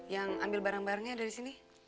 yang ambil barang barangnya ada disini